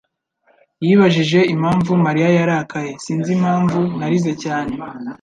yibajije impamvu Mariya yarakaye. Sinzi impamvu narize cyane.